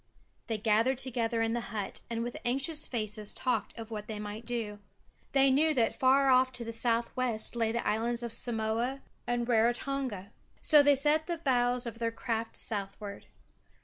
They gathered together in the hut and with anxious faces talked of what they might do. They knew that far off to the southwest lay the islands of Samoa, and Rarotonga. So they set the bows of their craft southward.